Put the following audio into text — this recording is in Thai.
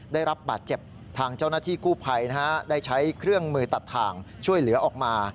ได้รับบาดเจ็บทางเจ้าหน้าที่กู้ภัยได้ใช้เครื่องมือตัดทางช่วยเหลือออกมา